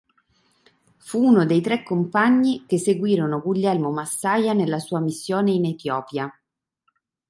Fu uno dei tre compagni che seguirono Guglielmo Massaia nella sua missione in Etiopia.